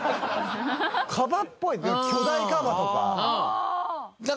カバっぽい巨大カバとか？